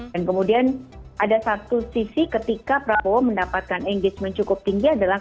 kemudian ada satu sisi ketika prabowo mendapatkan engagement cukup tinggi adalah